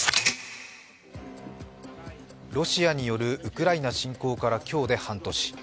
ロシアによるウクライナ侵攻から今日で半年。